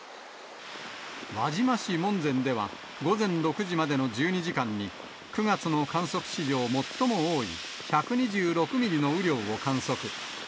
輪島市門前では午前６時までの１２時間に、９月の観測史上最も多い１２６ミリの雨量を観測。